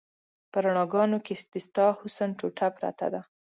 په رڼاګانو کې د ستا حسن ټوټه پرته ده